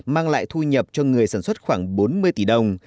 mang lại thu nhập cho người sản xuất khoảng bốn mươi tỷ đồng